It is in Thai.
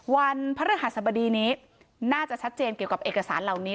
วันพระรหัสบดีนี้น่าจะชัดเจนเกี่ยวกับเอกสารเหล่านี้